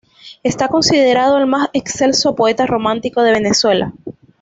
Esta considerado el más excelso poeta romántico de Venezuela.